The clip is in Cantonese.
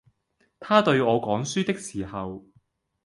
他對我講書的時候，